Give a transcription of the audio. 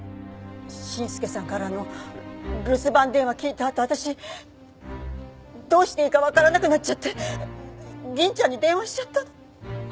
伸介さんからの留守番電話聞いたあと私どうしていいかわからなくなっちゃって銀ちゃんに電話しちゃったの。